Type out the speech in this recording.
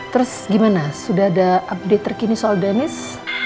terus gimana sudah ada update terkini soal denis